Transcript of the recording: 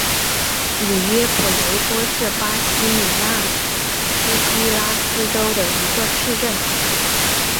里约普雷托是巴西米纳斯吉拉斯州的一个市镇。